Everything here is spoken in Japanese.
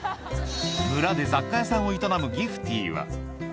村で雑貨屋さんを営むギフティは。